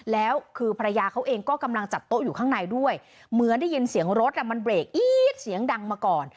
แล้วคือภรรยาเขาเองก็กำลังจัดโต๊ะอยู่ข้างในด้วยเหมือนได้ยินเสียงรถมันเบรกอี๊ดเสียงดังมาก่อน